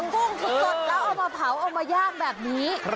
กุ้งสดแล้วเอามาเผาเอามาย่างแบบนี้